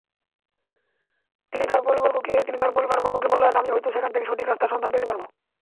তিনি তাঁর পরিবারবর্গকে বললেন, আমি হয়ত সেখান থেকে সঠিক রাস্তার সন্ধান পেতে পারব।